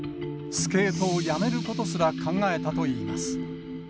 スケートをやめることすら考えたといいます。